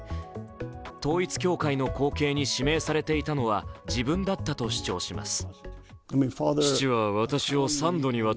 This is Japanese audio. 統一教会の後継に指名されていたのは自分だったと主張します。